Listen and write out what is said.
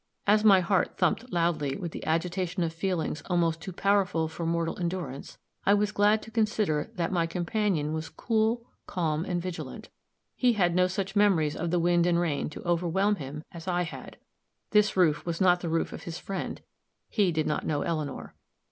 As my heart thumped loudly with the agitation of feelings almost too powerful for mortal endurance, I was glad to consider that my companion was cool, calm and vigilant. He had no such memories of the wind and rain to overwhelm him as I had; this roof was not the roof of his friend he did not know Eleanor.